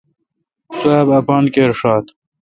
سوا با اپان کر شات۔